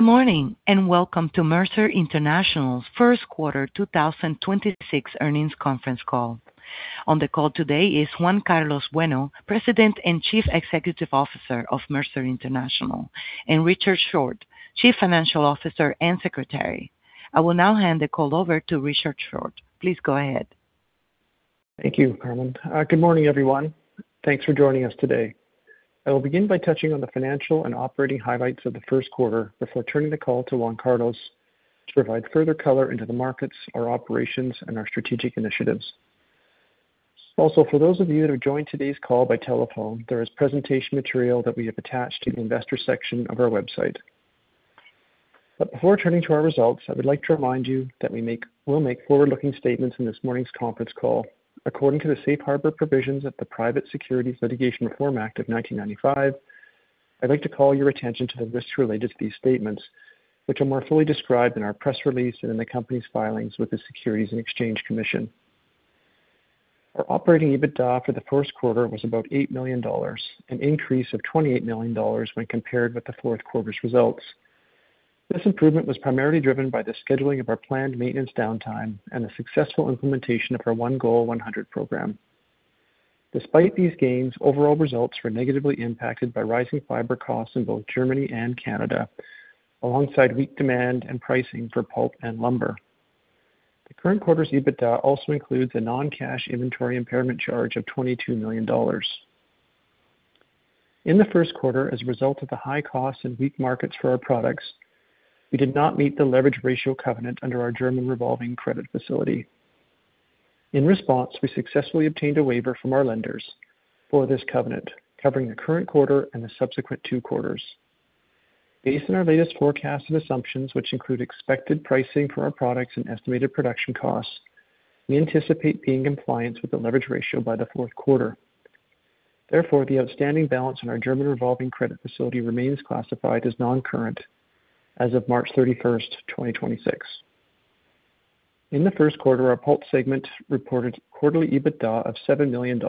Good morning, and welcome to Mercer International first quarter 2026 earnings conference call. On the call today is Juan Carlos Bueno, President and Chief Executive Officer of Mercer International, and Richard Short, Chief Financial Officer and Secretary. I will now hand the call over to Richard Short. Please go ahead. Thank you, Carmen. Good morning, everyone. Thanks for joining us today. I will begin by touching on the financial and operating highlights of the first quarter before turning the call to Juan Carlos to provide further color into the markets, our operations, and our strategic initiatives. For those of you that have joined today's call by telephone, there is presentation material that we have attached to the investor section of our website. Before turning to our results, I would like to remind you that we'll make forward-looking statements in this morning's conference call according to the safe harbor provisions of the Private Securities Litigation Reform Act of 1995. I'd like to call your attention to the risks related to these statements, which are more fully described in our press release and in the company's filings with the Securities and Exchange Commission. Our operating EBITDA for the first quarter was about $8 million, an increase of $28 million when compared with the fourth quarter's results. This improvement was primarily driven by the scheduling of our planned maintenance downtime and the successful implementation of our One Goal 100 program. Despite these gains, overall results were negatively impacted by rising fiber costs in both Germany and Canada, alongside weak demand and pricing for pulp and lumber. The current quarter's EBITDA also includes a non-cash inventory impairment charge of $22 million. In the first quarter, as a result of the high costs and weak markets for our products, we did not meet the leverage ratio covenant under our German revolving credit facility. In response, we successfully obtained a waiver from our lenders for this covenant covering the current quarter and the subsequent two quarters. Based on our latest forecast and assumptions, which include expected pricing for our products and estimated production costs, we anticipate being in compliance with the leverage ratio by the fourth quarter. Therefore, the outstanding balance on our German revolving credit facility remains classified as non-current as of March 31st, 2026. In the first quarter, our pulp segment reported quarterly EBITDA of $7 million,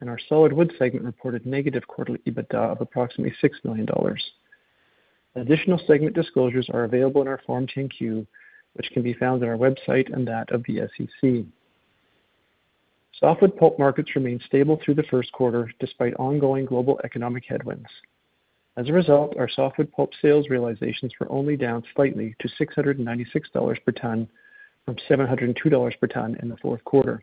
and our solid wood segment reported negative quarterly EBITDA of approximately $6 million. Additional segment disclosures are available in our Form 10-Q, which can be found on our website and that of the SEC. Softwood pulp markets remained stable through the first quarter despite ongoing global economic headwinds. As a result, our softwood pulp sales realizations were only down slightly to $696 per ton from $702 per ton in the fourth quarter.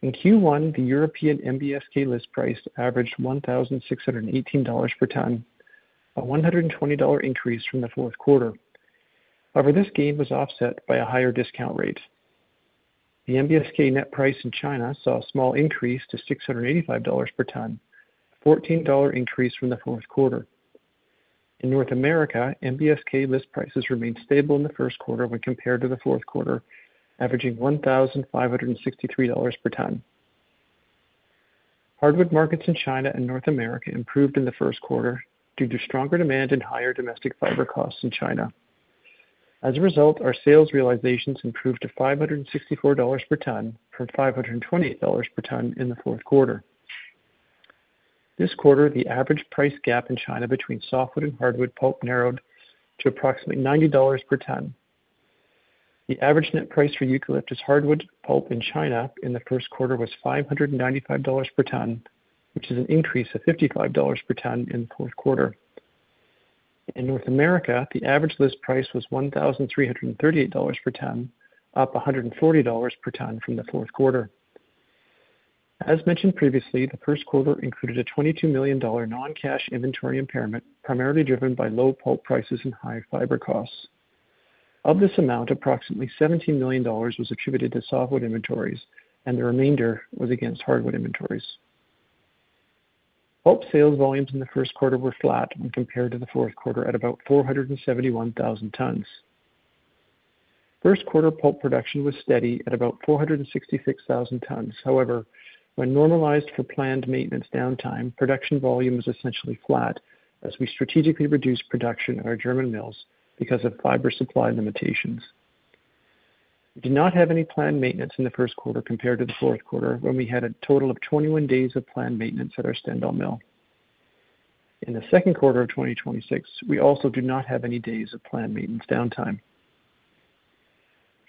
In Q1, the European NBSK list price averaged $1,618 per ton, a $120 increase from the fourth quarter. This gain was offset by a higher discount rate. The NBSK net price in China saw a small increase to $685 per ton, a $14 increase from the fourth quarter. In North America, NBSK list prices remained stable in the first quarter when compared to the fourth quarter, averaging $1,563 per ton. Hardwood markets in China and North America improved in the first quarter due to stronger demand and higher domestic fiber costs in China. Our sales realizations improved to $564 per ton from $528 per ton in the fourth quarter. This quarter, the average price gap in China between softwood and hardwood pulp narrowed to approximately $90 per ton. The average net price for eucalyptus hardwood pulp in China in the first quarter was $595 per ton, which is an increase of $55 per ton in the fourth quarter. In North America, the average list price was $1,338 per ton, up $140 per ton from the fourth quarter. As mentioned previously, the first quarter included a $22 million non-cash inventory impairment, primarily driven by low pulp prices and high fiber costs. Of this amount, approximately $17 million was attributed to softwood inventories, and the remainder was against hardwood inventories. Pulp sales volumes in the first quarter were flat when compared to the fourth quarter at about 471,000 tons. First quarter pulp production was steady at about 466,000 tons. However, when normalized for planned maintenance downtime, production volume was essentially flat as we strategically reduced production at our German mills because of fiber supply limitations. We did not have any planned maintenance in the first quarter compared to the fourth quarter, when we had a total of 21 days of planned maintenance at our Stendal mill. In the second quarter of 2026, we also do not have any days of planned maintenance downtime.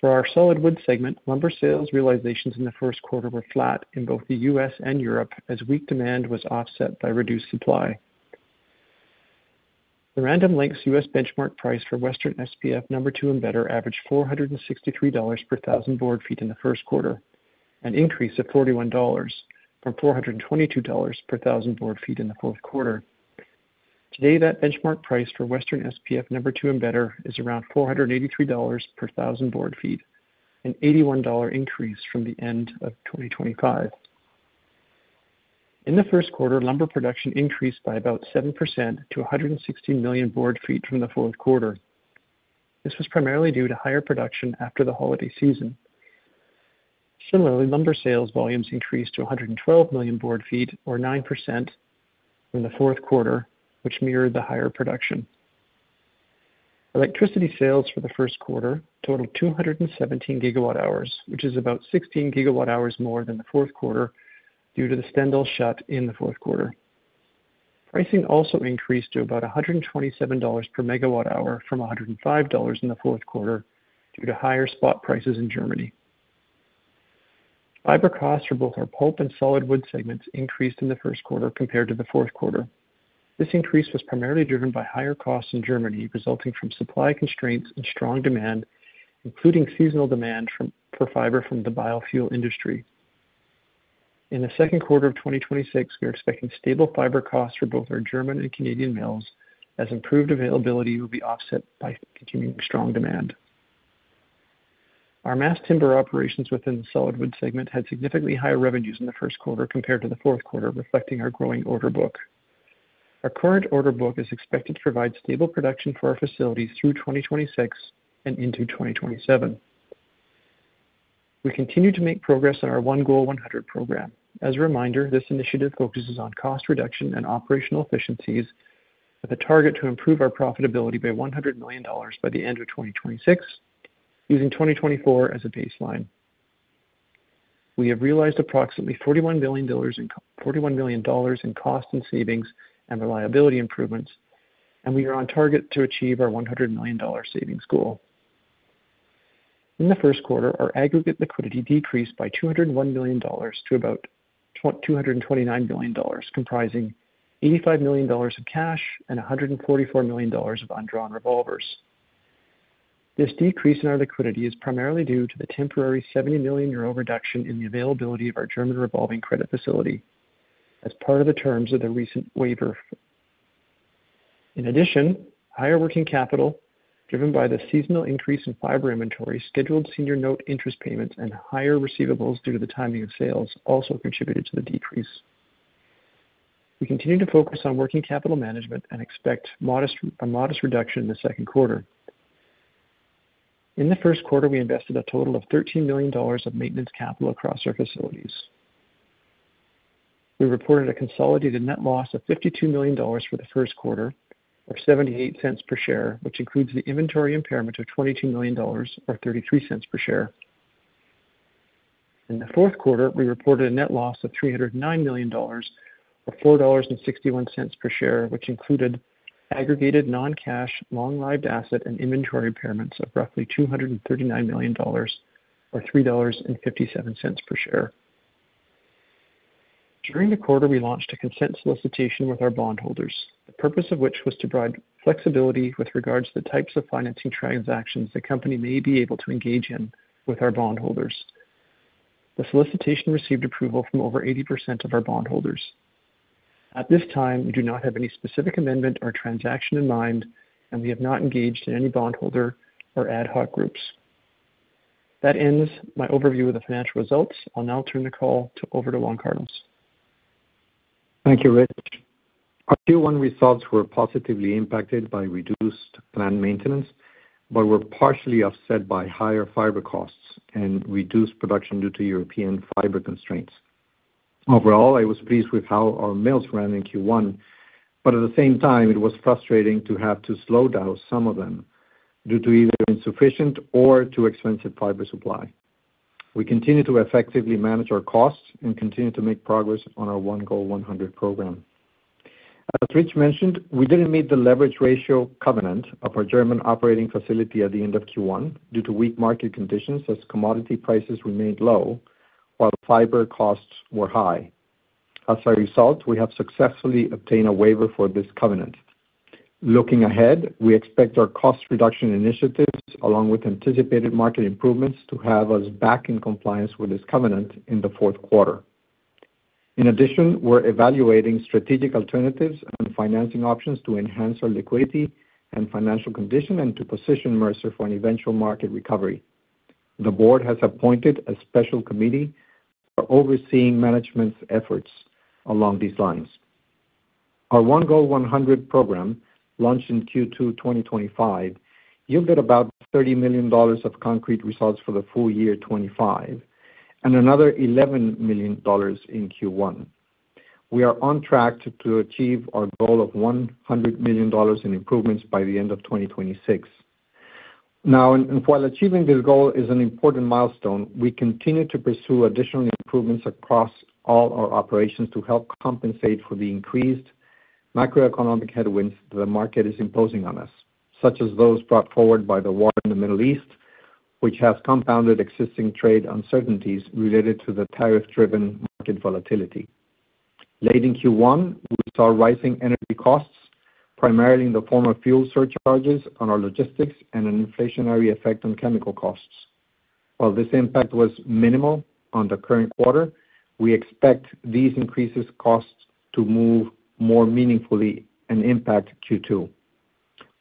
For our solid wood segment, lumber sales realizations in the first quarter were flat in both the U.S. and Europe as weak demand was offset by reduced supply. The random lengths U.S. benchmark price for Western SPF number two and better averaged $463 per thousand board feet in the first quarter, an increase of $41 from $422 per thousand board feet in the fourth quarter. Today, that benchmark price for Western SPF number two and better is around $483 per thousand board feet, an $81 increase from the end of 2025. In the first quarter, lumber production increased by about 7% to 160 million board feet from the fourth quarter. This was primarily due to higher production after the holiday season. Similarly, lumber sales volumes increased to 112 million board feet or 9% from the fourth quarter, which mirrored the higher production. Electricity sales for the first quarter totaled 217 GW hours, which is about 16 GW hours more than the fourth quarter due to the Stendal shut in the fourth quarter. Pricing also increased to about $127 per megawatt hour from $105 in the fourth quarter due to higher spot prices in Germany. Fiber costs for both our pulp and solid wood segments increased in the first quarter compared to the fourth quarter. This increase was primarily driven by higher costs in Germany, resulting from supply constraints and strong demand, including seasonal demand for fiber from the biofuel industry. In the second quarter of 2026, we are expecting stable fiber costs for both our German and Canadian mills, as improved availability will be offset by continuing strong demand. Our mass timber operations within the solid wood segment had significantly higher revenues in the first quarter compared to the fourth quarter, reflecting our growing order book. Our current order book is expected to provide stable production for our facilities through 2026 and into 2027. We continue to make progress on our One Goal One Hundred Program. As a reminder, this initiative focuses on cost reduction and operational efficiencies with a target to improve our profitability by $100 million by the end of 2026, using 2024 as a baseline. We have realized approximately $41 million in cost and savings and reliability improvements, and we are on target to achieve our $100 million savings goal. In the first quarter, our aggregate liquidity decreased by $201 million to about $229 million, comprising $85 million of cash and $144 million of undrawn revolvers. This decrease in our liquidity is primarily due to the temporary 70 million euro reduction in the availability of our German revolving credit facility as part of the terms of the recent waiver. In addition, higher working capital, driven by the seasonal increase in fiber inventory, scheduled senior note interest payments, and higher receivables due to the timing of sales, also contributed to the decrease. We continue to focus on working capital management and expect a modest reduction in the second quarter. In the first quarter, we invested a total of $13 million of maintenance capital across our facilities. We reported a consolidated net loss of $52 million for the first quarter, or $0.78 per share, which includes the inventory impairment of $22 million or $0.33 per share. In the fourth quarter, we reported a net loss of $309 million, or $4.61 per share, which included aggregated non-cash, long-lived asset and inventory impairments of roughly $239 million or $3.57 per share. During the quarter, we launched a consent solicitation with our bondholders, the purpose of which was to provide flexibility with regards to the types of financing transactions the company may be able to engage in with our bondholders. The solicitation received approval from over 80% of our bondholders. At this time, we do not have any specific amendment or transaction in mind, and we have not engaged any bondholder or ad hoc groups. That ends my overview of the financial results. I'll now turn the call over to Juan Carlos. Thank you, Rich. Our Q1 results were positively impacted by reduced planned maintenance, but were partially offset by higher fiber costs and reduced production due to European fiber constraints. Overall, I was pleased with how our mills ran in Q1, but at the same time it was frustrating to have to slow down some of them due to either insufficient or too expensive fiber supply. We continue to effectively manage our costs and continue to make progress on our One Goal One Hundred Program. As Rich mentioned, we didn't meet the leverage ratio covenant of our German operating facility at the end of Q1 due to weak market conditions as commodity prices remained low while fiber costs were high. As a result, we have successfully obtained a waiver for this covenant. Looking ahead, we expect our cost reduction initiatives along with anticipated market improvements to have us back in compliance with this covenant in the fourth quarter. In addition, we're evaluating strategic alternatives and financing options to enhance our liquidity and financial condition and to position Mercer for an eventual market recovery. The board has appointed a special committee for overseeing management's efforts along these lines. Our One Goal One Hundred program, launched in Q2 2025, yielded about $30 million of concrete results for the full year 2025 and another $11 million in Q1. We are on track to achieve our goal of $100 million in improvements by the end of 2026. Now, while achieving this goal is an important milestone, we continue to pursue additional improvements across all our operations to help compensate for the increased macroeconomic headwinds the market is imposing on us, such as those brought forward by the war in the Middle East, which has compounded existing trade uncertainties related to the tariff-driven market volatility. Late in Q1, we saw rising energy costs, primarily in the form of fuel surcharges on our logistics and an inflationary effect on chemical costs. While this impact was minimal on the current quarter, we expect these increases costs to move more meaningfully and impact Q2.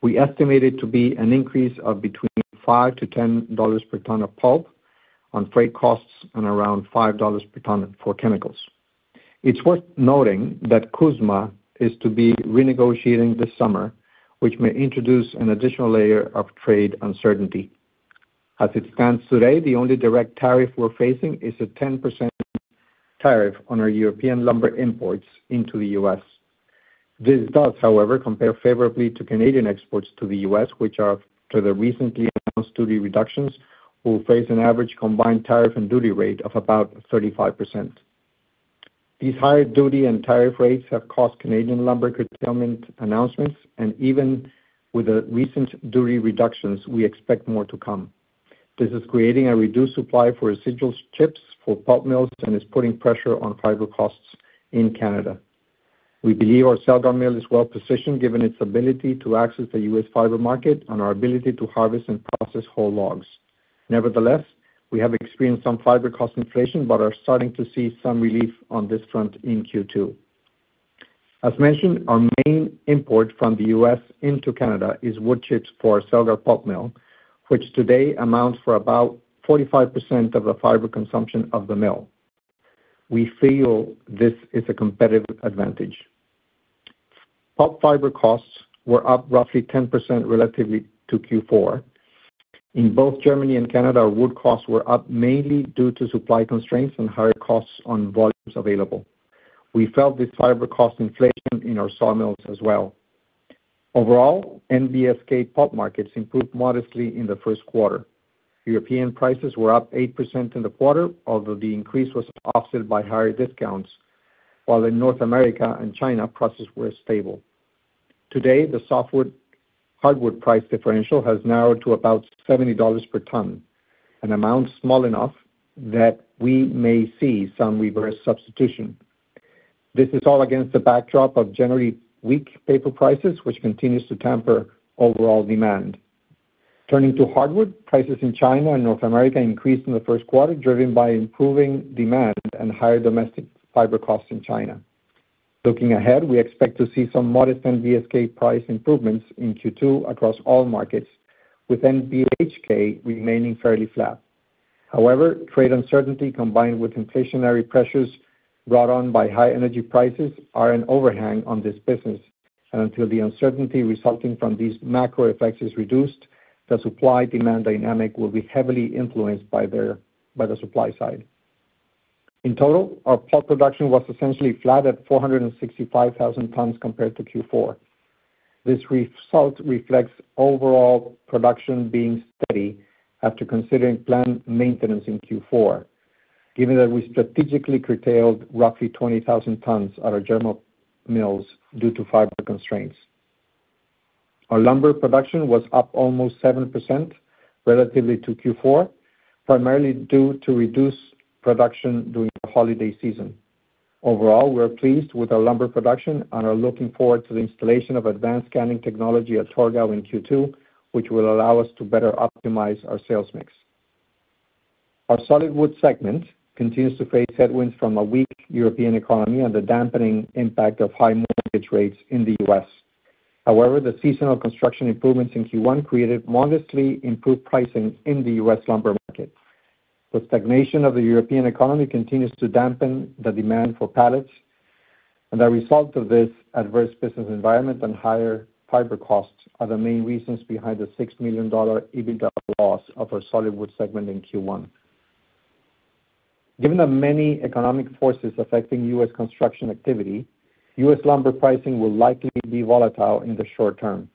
We estimate it to be an increase of between $5-$10 per ton of pulp on freight costs and around $5 per ton for chemicals. It's worth noting that CUSMA is to be renegotiated this summer, which may introduce an additional layer of trade uncertainty. As it stands today, the only direct tariff we're facing is a 10% tariff on our European lumber imports into the U.S. This does, however, compare favorably to Canadian exports to the U.S., which are to the recently announced duty reductions, will face an average combined tariff and duty rate of about 35%. These higher duty and tariff rates have caused Canadian lumber curtailment announcements, and even with the recent duty reductions, we expect more to come. This is creating a reduced supply for residual chips for pulp mills and is putting pressure on fiber costs in Canada. We believe our Celgar mill is well-positioned given its ability to access the U.S. fiber market and our ability to harvest and process whole logs. Nevertheless, we have experienced some fiber cost inflation but are starting to see some relief on this front in Q2. As mentioned, our main import from the U.S. into Canada is wood chips for our Celgar pulp mill, which today amounts for about 45% of the fiber consumption of the mill. We feel this is a competitive advantage. Pulp fiber costs were up roughly 10% relatively to Q4. In both Germany and Canada, our wood costs were up mainly due to supply constraints and higher costs on volumes available. We felt this fiber cost inflation in our sawmills as well. Overall, NBSK pulp markets improved modestly in the first quarter. European prices were up 8% in the quarter, although the increase was offset by higher discounts, while in North America and China, prices were stable. Today, the softwood-hardwood price differential has narrowed to about $70 per ton, an amount small enough that we may see some reverse substitution. This is all against the backdrop of generally weak paper prices, which continues to temper overall demand. Turning to hardwood, prices in China and North America increased in the first quarter, driven by improving demand and higher domestic fiber costs in China. Looking ahead, we expect to see some modest NBSK price improvements in Q2 across all markets, with NBHK remaining fairly flat. Trade uncertainty combined with inflationary pressures brought on by high energy prices are an overhang on this business. Until the uncertainty resulting from these macro effects is reduced, the supply-demand dynamic will be heavily influenced by the supply side. In total, our pulp production was essentially flat at 465,000 tonnes compared to Q4. This result reflects overall production being steady after considering plant maintenance in Q4, given that we strategically curtailed roughly 20,000 tonnes at our German mills due to fiber constraints. Our lumber production was up almost 7% relatively to Q4, primarily due to reduced production during the holiday season. Overall, we are pleased with our lumber production and are looking forward to the installation of advanced scanning technology at Torgau in Q2, which will allow us to better optimize our sales mix. Our solid wood segment continues to face headwinds from a weak European economy and the dampening impact of high mortgage rates in the U.S. The seasonal construction improvements in Q1 created modestly improved pricing in the U.S. lumber market. The stagnation of the European economy continues to dampen the demand for pallets, and the result of this adverse business environment and higher fiber costs are the main reasons behind the $6 million EBITDA loss of our solid wood segment in Q1. Given the many economic forces affecting U.S. construction activity, U.S. lumber pricing will likely be volatile in the short term.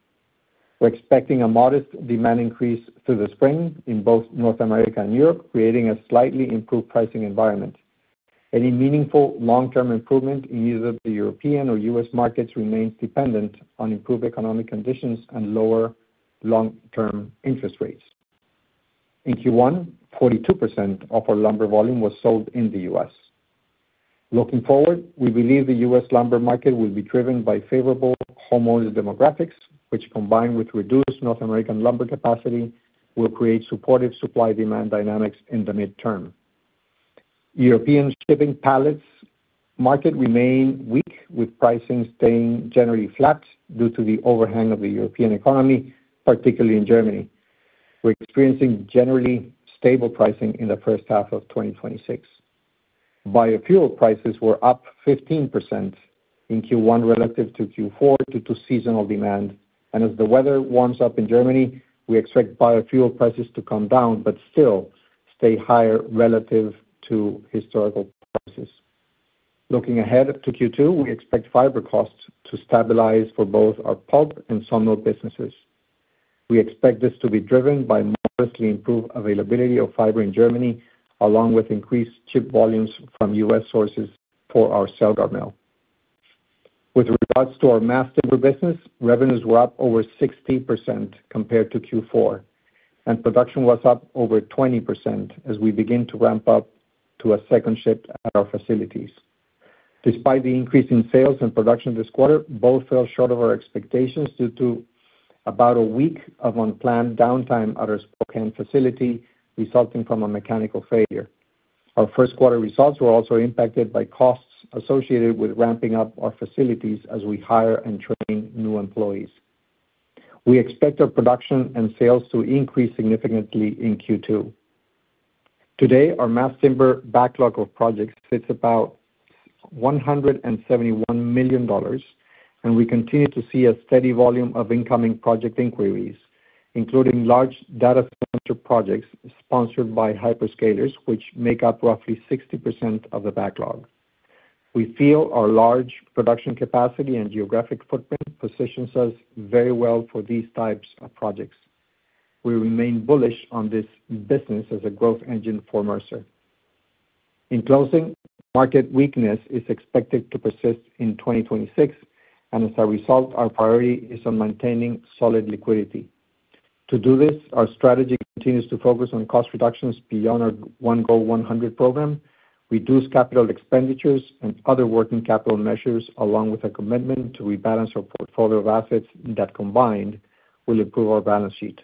We're expecting a modest demand increase through the spring in both North America and Europe, creating a slightly improved pricing environment. Any meaningful long-term improvement in either the European or U.S. markets remains dependent on improved economic conditions and lower long-term interest rates. In Q1, 42% of our lumber volume was sold in the U.S. Looking forward, we believe the U.S. lumber market will be driven by favorable homeowner demographics, which combined with reduced North American lumber capacity, will create supportive supply-demand dynamics in the mid-term. European shipping pallets market remain weak, with pricing staying generally flat due to the overhang of the European economy, particularly in Germany. We are experiencing generally stable pricing in the first half of 2026. Biofuel prices were up 15% in Q1 relative to Q4 due to seasonal demand. As the weather warms up in Germany, we expect biofuel prices to come down, but still stay higher relative to historical prices. Looking ahead to Q2, we expect fiber costs to stabilize for both our pulp and sawmill businesses. We expect this to be driven by modestly improved availability of fiber in Germany, along with increased chip volumes from U.S. sources for our Celgar mill. With regards to our Mass timber business, revenues were up over 60% compared to Q4, and production was up over 20% as we begin to ramp up to a second shift at our facilities. Despite the increase in sales and production this quarter, both fell short of our expectations due to about a week of unplanned downtime at our Spokane facility resulting from a mechanical failure. Our first quarter results were also impacted by costs associated with ramping up our facilities as we hire and train new employees. We expect our production and sales to increase significantly in Q2. Today, our Mass timber backlog of projects sits about $171 million, and we continue to see a steady volume of incoming project inquiries, including large data center projects sponsored by hyperscalers, which make up roughly 60% of the backlog. We feel our large production capacity and geographic footprint positions us very well for these types of projects. We remain bullish on this business as a growth engine for Mercer. In closing, market weakness is expected to persist in 2026. As a result, our priority is on maintaining solid liquidity. To do this, our strategy continues to focus on cost reductions beyond our One Goal One Hundred Program, reduce capital expenditures and other working capital measures, along with a commitment to rebalance our portfolio of assets that combined will improve our balance sheet.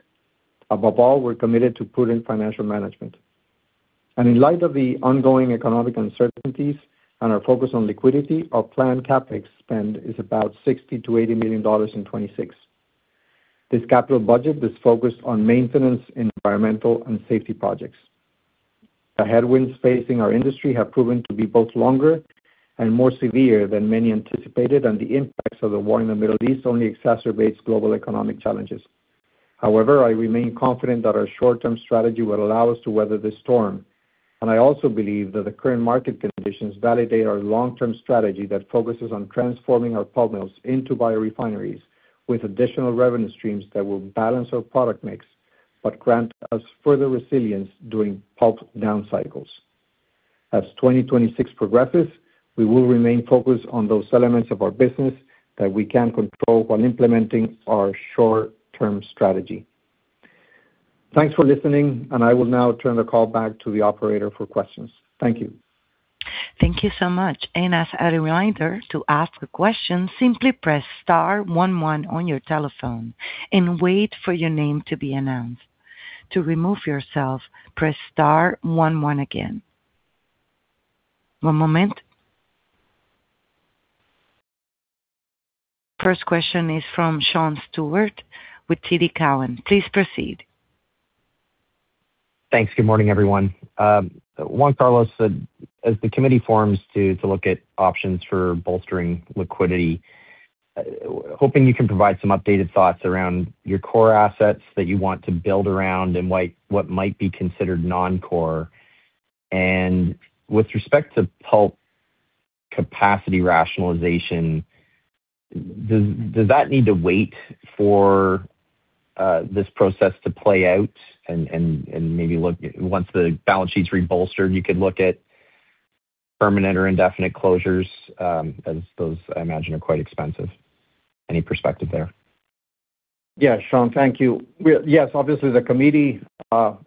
Above all, we're committed to prudent financial management. In light of the ongoing economic uncertainties and our focus on liquidity, our planned CapEx spend is about $60 million-$80 million in 2026. This capital budget is focused on maintenance, environmental, and safety projects. The headwinds facing our industry have proven to be both longer and more severe than many anticipated. The impacts of the war in the Middle East only exacerbates global economic challenges. However, I remain confident that our short-term strategy will allow us to weather this storm, and I also believe that the current market conditions validate our long-term strategy that focuses on transforming our pulp mills into biorefineries with additional revenue streams that will balance our product mix but grant us further resilience during pulp down cycles. As 2026 progresses, we will remain focused on those elements of our business that we can control while implementing our short-term strategy. Thanks for listening, and I will now turn the call back to the operator for questions. Thank you. Thank you so much. As a reminder, to ask a question, simply press star one one on your telephone and wait for your name to be announced. To remove yourself, press star one one again. One moment. First question is from Sean Steuart with TD Cowen. Please proceed. Thanks. Good morning, everyone. Juan Carlos, as the committee forms to look at options for bolstering liquidity, hoping you can provide some updated thoughts around your core assets that you want to build around and why what might be considered non-core. With respect to pulp capacity rationalization, does that need to wait for this process to play out and maybe look once the balance sheet's rebolstered, you could look at permanent or indefinite closures, as those I mention are quite expensive. Any perspective there? Sean, thank you. Yes, obviously, the committee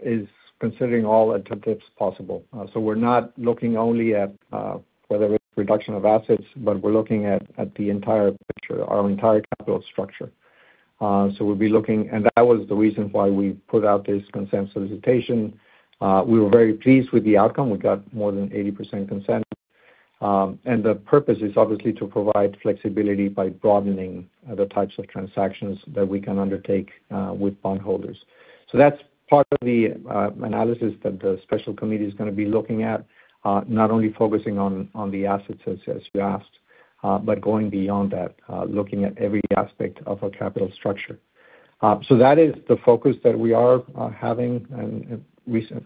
is considering all alternatives possible. We're not looking only at whether it's reduction of assets, but we're looking at the entire picture, our entire capital structure. We'll be looking And that was the reason why we put out this consent solicitation. We were very pleased with the outcome. We got more than 80% consent. The purpose is obviously to provide flexibility by broadening the types of transactions that we can undertake with bond holders. That's part of the analysis that the special committee is going to be looking at, not only focusing on the assets as you asked, but going beyond that, looking at every aspect of our capital structure. That is the focus that we are having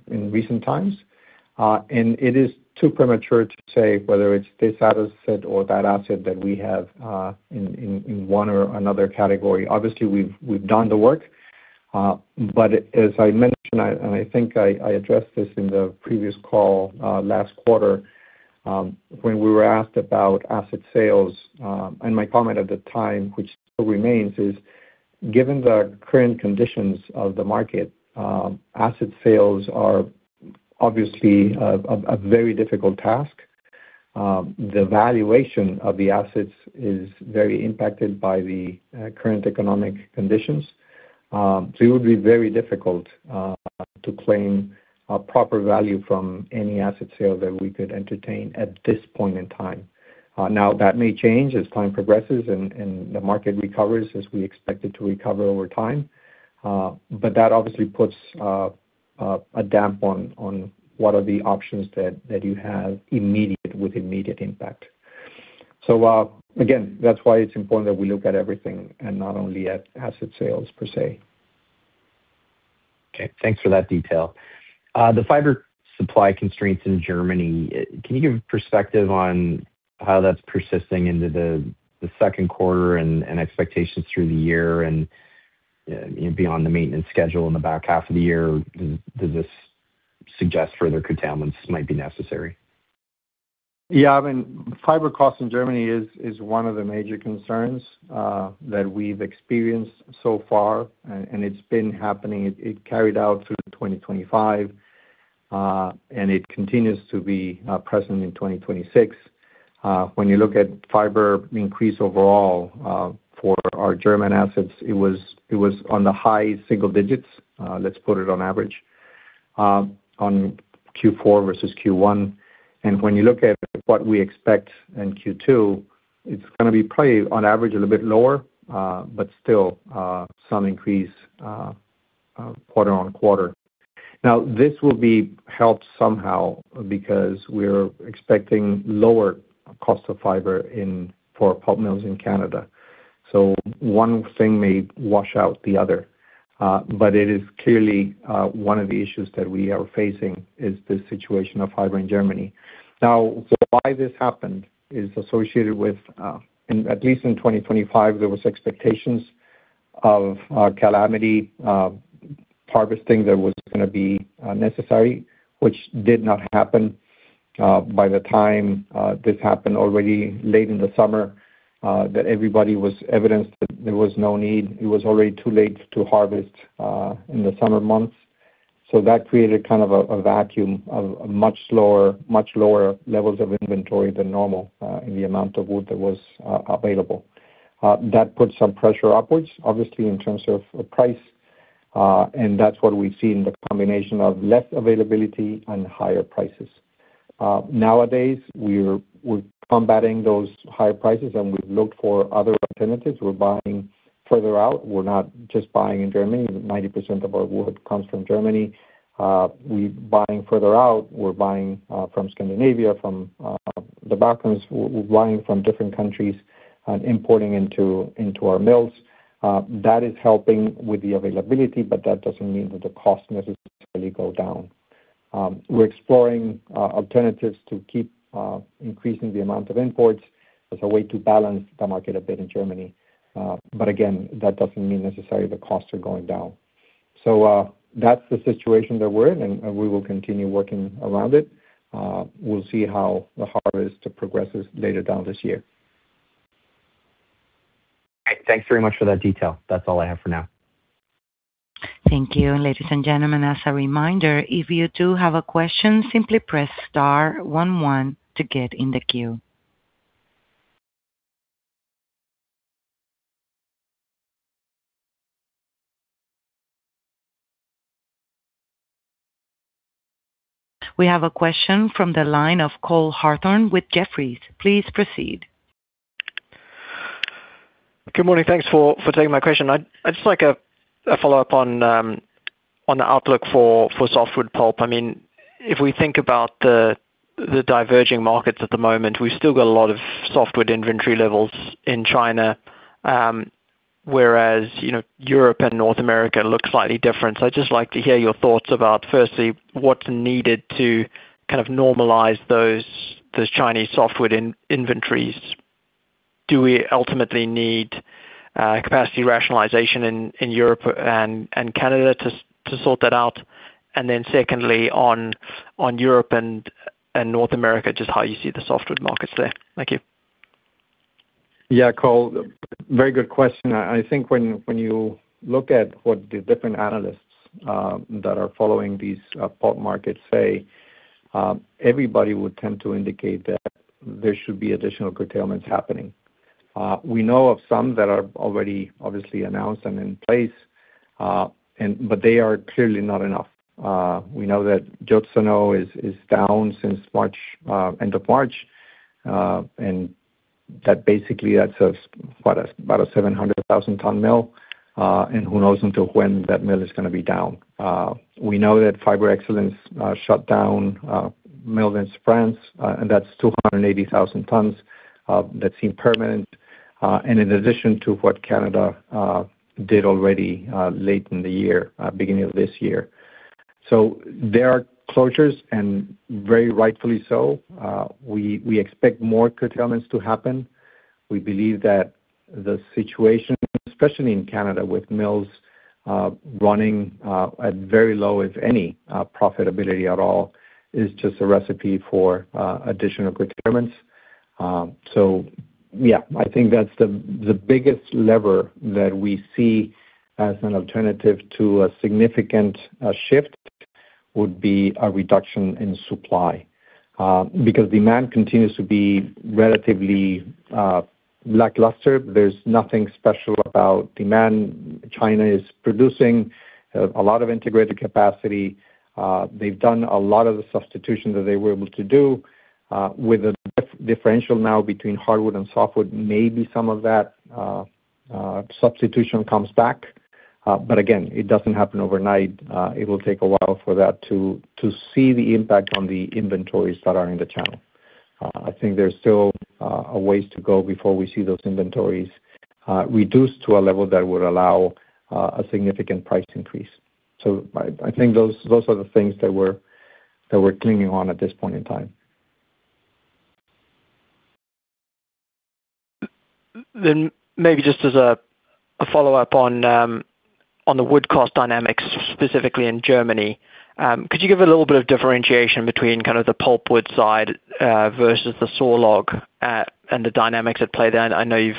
in recent times. It is too premature to say whether it's this asset or that asset that we have in one or another category. Obviously, we've done the work. As I mentioned, I addressed this in the previous call last quarter, when we were asked about asset sales, and my comment at the time, which still remains, is given the current conditions of the market, asset sales are obviously a very difficult task. The valuation of the assets is very impacted by the current economic conditions. It would be very difficult to claim a proper value from any asset sale that we could entertain at this point in time. Now, that may change as time progresses and the market recovers as we expect it to recover over time. But that obviously puts a damp on what are the options that you have with immediate impact. Again, that's why it's important that we look at everything and not only at asset sales per say. Okay, thanks for that detail. The fiber supply constraints in Germany, can you give perspective on how that's persisting into the second quarter and expectations through the year and beyond the maintenance schedule in the back half of the year? Does this suggest further curtailments might be necessary? Yeah. I mean, fiber costs in Germany is one of the major concerns that we've experienced so far, and it's been happening. It carried out through 2025, and it continues to be present in 2026. When you look at fiber increase overall for our German assets, it was on the high single digits, let's put it on average, on Q4 versus Q1. When you look at what we expect in Q2, it's gonna be probably on average a little bit lower, but still, some increase, quarter-on-quarter. Now, this will be helped somehow because we're expecting lower cost of fiber for pulp mills in Canada. One thing may wash out the other. It is clearly one of the issues that we are facing is the situation of fiber in Germany. Why this happened is associated with, at least in 2025, there was expectations of calamity harvesting that was gonna be necessary, which did not happen by the time this happened already late in the summer that everybody was evidenced that there was no need. It was already too late to harvest in the summer months. That created kind of a vacuum of much slower, much lower levels of inventory than normal, in the amount of wood that was available. That put some pressure upwards, obviously, in terms of price, and that's what we see in the combination of less availability and higher prices. Nowadays, we're combating those higher prices, we've looked for other alternatives. We're buying further out. We're not just buying in Germany. 90% of our wood comes from Germany. We buying further out. We're buying from Scandinavia, from the Balkans. We're buying from different countries and importing into our mills. That is helping with the availability, that doesn't mean that the cost necessarily go down. We're exploring alternatives to keep increasing the amount of imports as a way to balance the market a bit in Germany. Again, that doesn't mean necessarily the costs are going down. That's the situation that we're in, we will continue working around it. We'll see how the harvest progresses later down this year. Thanks very much for that detail. That's all I have for now. Thank you. Ladies and gentlemen, as a reminder, if you do have a question, simply press star 11 to get in the queue. We have a question from the line of Cole Hathorn with Jefferies. Please proceed. Good morning. Thanks for taking my question. I'd just like a follow-up on the outlook for softwood pulp. I mean, if we think about the diverging markets at the moment, we've still got a lot of softwood inventory levels in China, whereas, you know, Europe and North America look slightly different. I'd just like to hear your thoughts about, firstly, what's needed to kind of normalize those Chinese softwood inventories. Do we ultimately need capacity rationalization in Europe and Canada to sort that out? Then secondly, on Europe and North America, just how you see the softwood markets there. Thank you. Yeah, Cole. Very good question. I think when you look at what the different analysts that are following these pulp markets say, everybody would tend to indicate that there should be additional curtailments happening. We know of some that are already obviously announced and in place, and but they are clearly not enough. We know that Joutseno is down since March, end of March, and that basically that's about a 700,000 ton mill, and who knows until when that mill is gonna be down. We know that Fibre Excellence shut down mills in France, and that's 280,000 tons that seem permanent, and in addition to what Canada did already late in the year, beginning of this year. There are closures, and very rightfully so. We expect more curtailments to happen. We believe that the situation, especially in Canada, with mills running at very low, if any, profitability at all, is just a recipe for additional curtailments. Yeah, I think that's the biggest lever that we see as an alternative to a significant shift would be a reduction in supply. Because demand continues to be relatively lackluster. There's nothing special about demand. China is producing a lot of integrated capacity. They've done a lot of the substitution that they were able to do with a differential now between hardwood and softwood. Maybe some of that substitution comes back. Again, it doesn't happen overnight. It will take a while for that to see the impact on the inventories that are in the channel. I think there's still a ways to go before we see those inventories reduced to a level that would allow a significant price increase. I think those are the things that we're, that we're clinging on at this point in time. Maybe just as a follow-up on the wood cost dynamics, specifically in Germany, could you give a little bit of differentiation between kind of the pulp wood side versus the sawlog and the dynamics at play there? I know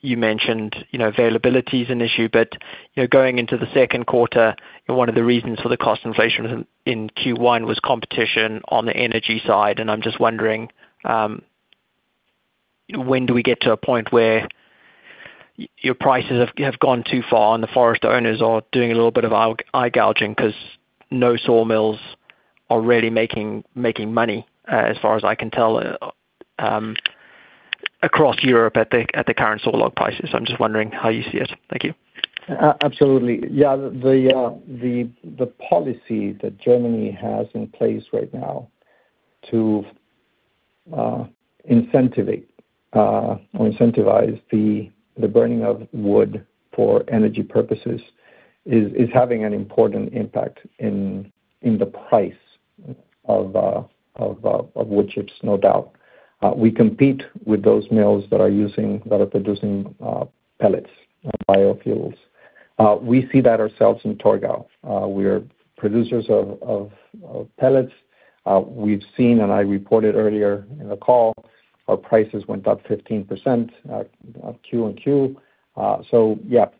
you mentioned, you know, availability is an issue, but, you know, going into the second quarter, and one of the reasons for the cost inflation in Q1 was competition on the energy side. I'm just wondering when do we get to a point where your prices have gone too far, and the forest owners are doing a little bit of eye gouging because no sawmills are really making money, as far as I can tell, across Europe at the current saw log prices. I'm just wondering how you see it. Thank you. Absolutely. The policy that Germany has in place right now to incentivize the burning of wood for energy purposes is having an important impact in the price of wood chips, no doubt. We compete with those mills that are producing pellets, biofuels. We see that ourselves in Torgau. We are producers of pellets. We've seen, and I reported earlier in the call, our prices went up 15% Q on Q.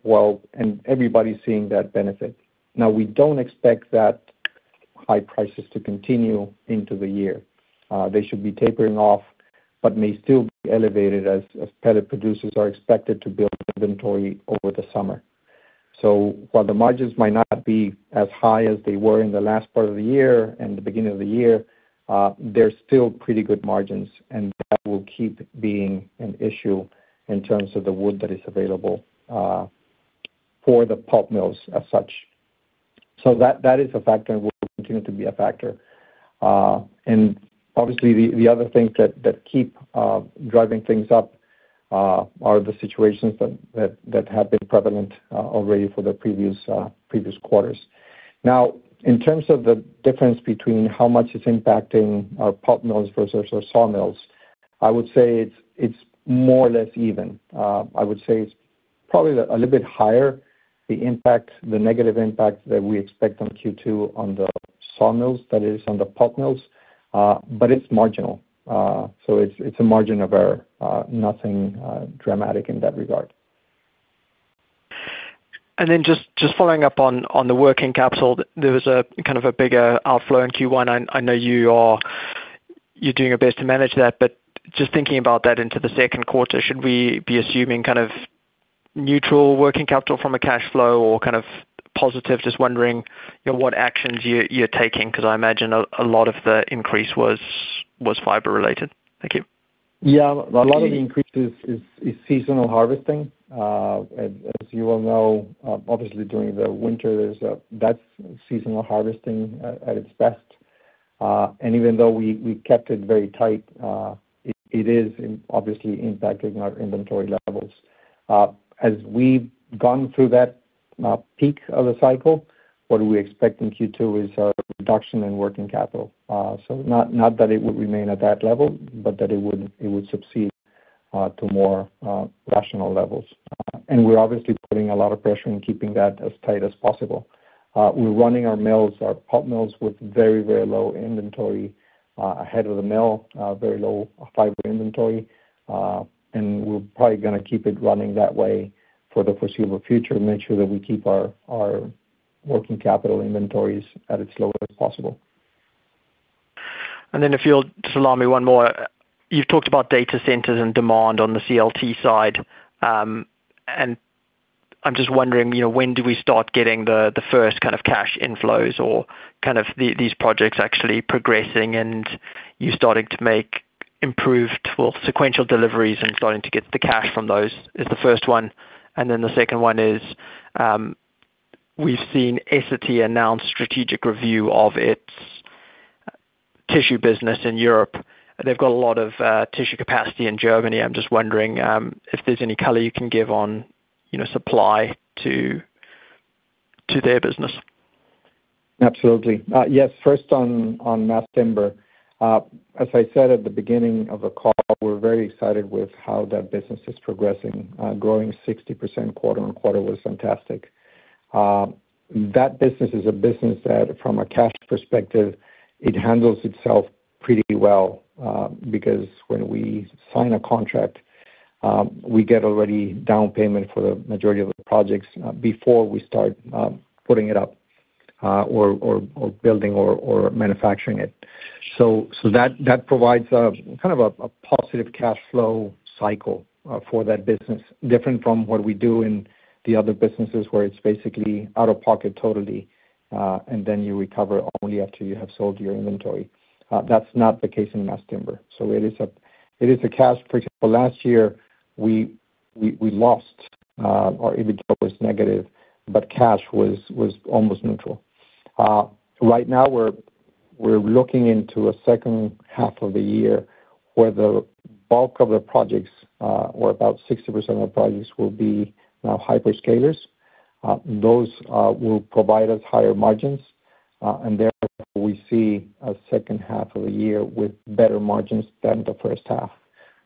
Well, everybody's seeing that benefit. Now, we don't expect that high prices to continue into the year. They should be tapering off, but may still be elevated as pellet producers are expected to build inventory over the summer. While the margins might not be as high as they were in the last part of the year and the beginning of the year, they're still pretty good margins, and that will keep being an issue in terms of the wood that is available for the pulp mills as such. That is a factor and will continue to be a factor. Obviously, the other things that keep driving things up are the situations that have been prevalent already for the previous quarters. In terms of the difference between how much it's impacting our pulp mills versus our sawmills, I would say it's more or less even. I would say it's probably a little bit higher the impact, the negative impact that we expect on Q2 on the sawmills than it is on the pulp mills, but it's marginal. It's, it's a margin of error. Nothing dramatic in that regard. Just following up on the working capital. There was a kind of a bigger outflow in Q1. I know you're doing your best to manage that, but just thinking about that into the second quarter, should we be assuming kind of neutral working capital from a cash flow or kind of positive? Just wondering, you know, what actions you're taking, because I imagine a lot of the increase was fiber related. Thank you. Yeah. A lot of the increase is seasonal harvesting. As you all know, obviously during the winter there's that's seasonal harvesting at its best. Even though we kept it very tight, it is obviously impacting our inventory levels. As we've gone through that peak of the cycle, what we expect in Q2 is a reduction in working capital. Not that it would remain at that level, but that it would succeed to more rational levels. We're obviously putting a lot of pressure on keeping that as tight as possible. We're running our mills, our pulp mills with very low inventory, ahead of the mill, very low fiber inventory. We're probably gonna keep it running that way for the foreseeable future and make sure that we keep our working capital inventories at its lowest possible. If you'll just allow me one more. You've talked about data centers and demand on the CLT side. I'm just wondering, you know, when do we start getting the first kind of cash inflows or kind of these projects actually progressing and you starting to make improved well, sequential deliveries and starting to get the cash from those is the first one. The second one is, we've seen Essity announce strategic review of its tissue business in Europe. They've got a lot of tissue capacity in Germany. I'm just wondering, if there's any color you can give on, you know, supply to their business. Absolutely. Yes, first on Mass Timber. As I said at the beginning of the call, we're very excited with how that business is progressing. Growing 60% quarter on quarter was fantastic. That business is a business that, from a cash perspective, it handles itself pretty well because when we sign a contract, we get already down payment for the majority of the projects before we start putting it up or manufacturing it. That provides a kind of a positive cash flow cycle for that business, different from what we do in the other businesses where it's basically out-of-pocket totally and then you recover only after you have sold your inventory. That's not the case in Mass Timber. For example, last year, we lost our EBITDA was negative, but cash was almost neutral. Right now we're looking into a second half of the year where the bulk of the projects, or about 60% of the projects will be now hyperscalers. Those will provide us higher margins, therefore we see a second half of the year with better margins than the first half.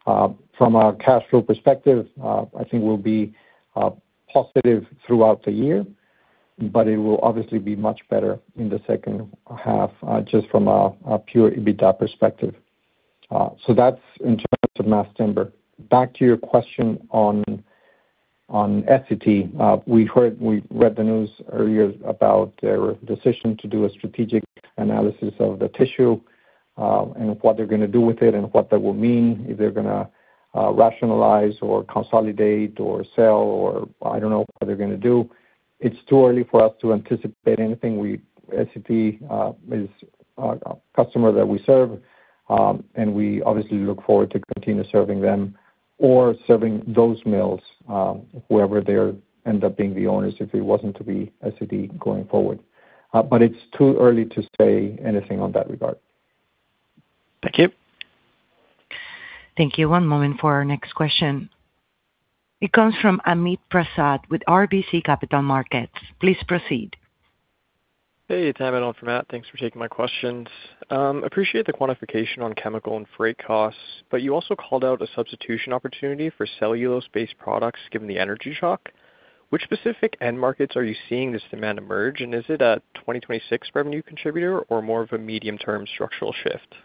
From a cash flow perspective, I think we'll be positive throughout the year, it will obviously be much better in the second half, just from a pure EBITDA perspective. That's in terms of Mass Timber. Back to your question on Essity. We read the news earlier about their decision to do a strategic analysis of the tissue, and what they're gonna do with it, and what that will mean, if they're gonna rationalize or consolidate or sell or I don't know what they're gonna do. It's too early for us to anticipate anything. SCA is a customer that we serve, and we obviously look forward to continue serving them or serving those mills, whoever they end up being the owners, if it wasn't to be SCA going forward. It's too early to say anything on that regard. Thank you. Thank you. One moment for our next question. It comes from Amit Prasad with RBC Capital Markets. Please proceed. Hey, it's Amit. I'll be quick. Thanks for taking my questions. I appreciate the quantification on chemical and freight costs, but you also called out a substitution opportunity for cellulose-based products given the energy shock. Which specific end markets are you seeing this demand emerge, and is it a 2026 revenue contributor or more of a medium-term structural shift?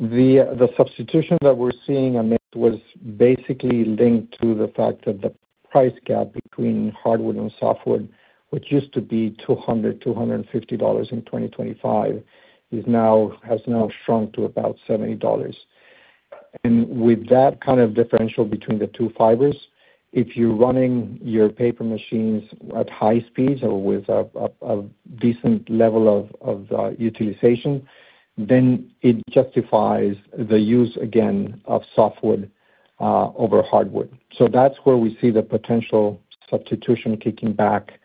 The substitution that we're seeing, Amit, was basically linked to the fact that the price gap between hardwood and softwood, which used to be $200-$250 in 2025, has now shrunk to about $70. With that kind of differential between the two fibers, if you're running your paper machines at high speeds or with a decent level of utilization, then it justifies the use again of softwood over hardwood. That's where we see the potential substitution kicking back.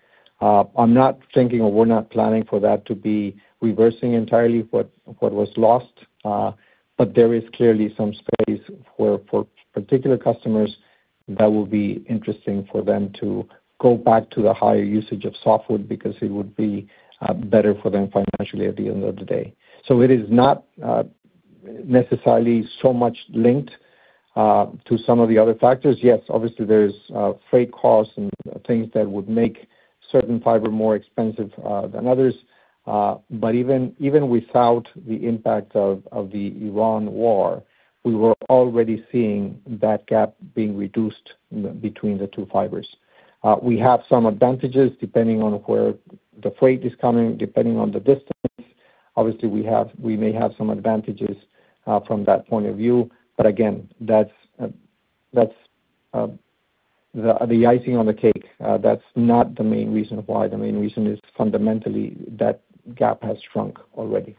I'm not thinking, or we're not planning for that to be reversing entirely what was lost, but there is clearly some space for particular customers that will be interesting for them to go back to the higher usage of softwood because it would be better for them financially at the end of the day. It is not necessarily so much linked to some of the other factors. Yes, obviously there's freight costs and things that would make certain fiber more expensive than others. But even without the impact of the Iran war, we were already seeing that gap being reduced between the two fibers. We have some advantages depending on where the freight is coming, depending on the distance. Obviously, we may have some advantages from that point of view. Again, that's the icing on the cake. That's not the main reason why. The main reason is fundamentally that gap has shrunk already.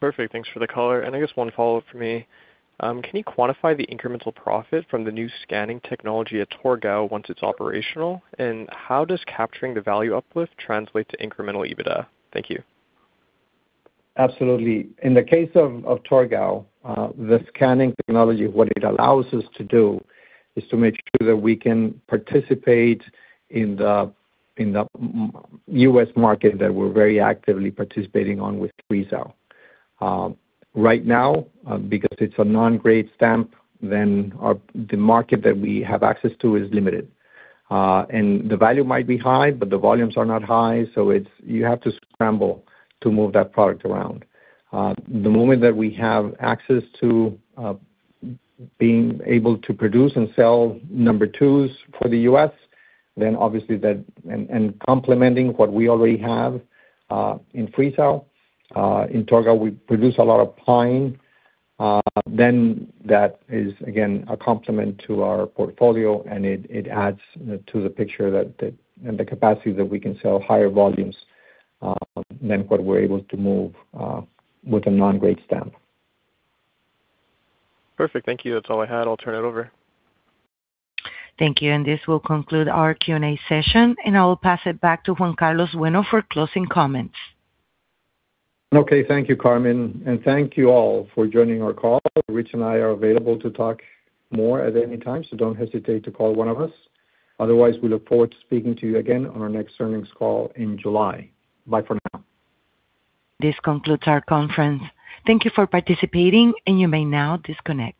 Perfect. Thanks for the color. I guess one follow-up for me. Can you quantify the incremental profit from the new scanning technology at Torgau once it's operational? How does capturing the value uplift translate to incremental EBITDA? Thank you. Absolutely. In the case of Torgau, the scanning technology, what it allows us to do is to make sure that we can participate in the U.S. market that we're very actively participating on with Friesau. Right now, because it's a non-grade stamp, the market that we have access to is limited. The value might be high, but the volumes are not high, so you have to scramble to move that product around. The moment that we have access to being able to produce and sell number twos for the U.S., then obviously that and complementing what we already have in Friesau, in Torgau, we produce a lot of pine, then that is again a complement to our portfolio, and it adds to the picture and the capacity that we can sell higher volumes than what we're able to move with a non-grade stamp. Perfect. Thank you. That is all I had. I will turn it over. Thank you. This will conclude our Q&A session, and I will pass it back to Juan Carlos Bueno for closing comments. Okay. Thank you, Carmen. Thank you all for joining our call. Rich and I are available to talk more at any time, so don't hesitate to call one of us. Otherwise, we look forward to speaking to you again on our next earnings call in July. Bye for now. This concludes our conference. Thank you for participating, and you may now disconnect.